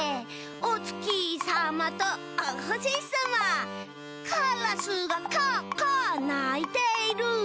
「おつきさまとおほしさま」「カラスがカアカアないている」